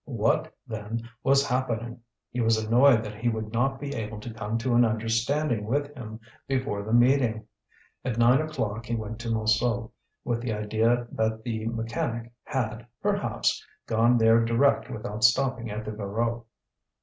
What, then, was happening? He was annoyed that he would not be able to come to an understanding with him before the meeting. At nine o'clock he went to Montsou, with the idea that the mechanic had, perhaps, gone there direct without stopping at the Voreux.